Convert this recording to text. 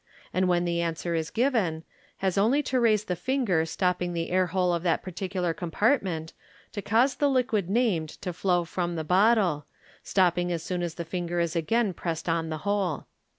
and when the answer is given, has only to raise the finger stopping the air hole of that particular compartment to cause the liquid named to flow from the bottle, stopping as soon as the finger is again pressed on the hole.